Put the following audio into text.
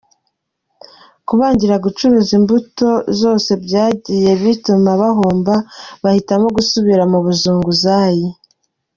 Kubangira gucuruza imbuto zose byagiye bituma bahomba bahitamo gusubira mu buzunguzajyi.